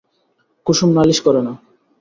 কুসুম নালিশ করে না।